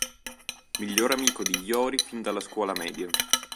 Miglior amico di Yori fin dalla scuola media.